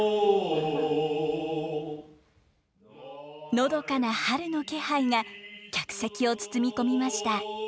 のどかな春の気配が客席を包み込みました。